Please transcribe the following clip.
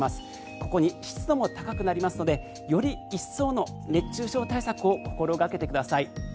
ここに湿度も高くなりますのでより一層の熱中症対策を心掛けてください。